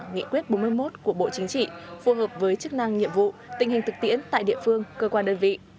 nghị quyết bốn mươi một của bộ chính trị phù hợp với chức năng nhiệm vụ tình hình thực tiễn tại địa phương cơ quan đơn vị